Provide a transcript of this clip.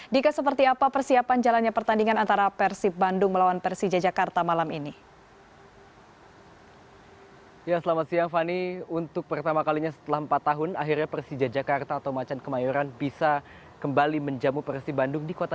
dika seperti apa persiapan jalannya pertandingan antara persib bandung melawan persija jakarta malam ini